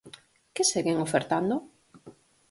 ¿Que seguen ofertando?